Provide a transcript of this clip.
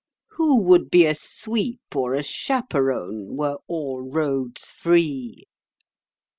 Who would be a sweep or a chaperon, were all roads free?